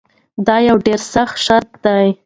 دا یو ډیر سخت شرط و.